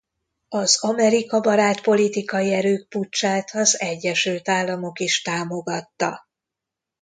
Az Amerika-barát politikai erők puccsát az Egyesült Államok is támogatta.